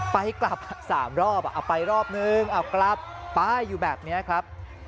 ไปกลับ๓รอบเอาไปรอบนึงเอากลับไปอยู่แบบนี้ครับ